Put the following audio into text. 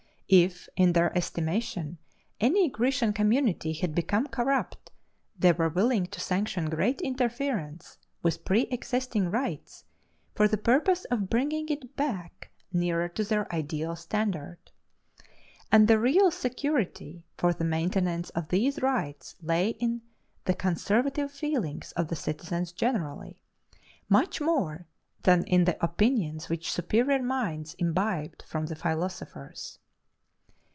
If in their estimation any Grecian community had become corrupt, they were willing to sanction great interference with preëxisting rights for the purpose of bringing it back nearer to their ideal standard. And the real security for the maintenance of these rights lay in the conservative feelings of the citizens generally, much more than in the opinions which superior minds imbibed from the philosophers.